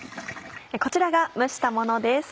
こちらが蒸したものです